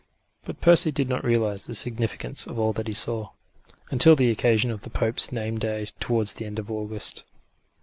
But Percy did not realise the significance of all that he saw, until the occasion of the Pope's name day towards the end of August.